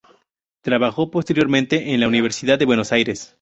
Trabajó posteriormente en la Universidad de Buenos Aires.